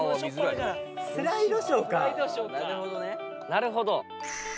なるほどね。